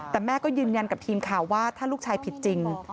แต่แม่ก็ยืนยันกับทีมข่าวว่าถ้าลูกชายผิดจริง